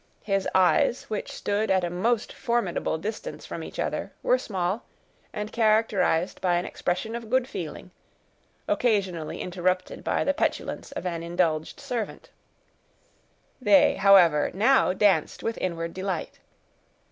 His eyes, which stood at a most formidable distance from each other, were small, and characterized by an expression of good feeling, occasionally interrupted by the petulance of an indulged servant; they, however, now danced with inward delight.